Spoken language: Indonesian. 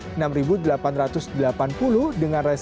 dengan resistance rp tujuh satu ratus sepuluh pada perdagangan selasa ini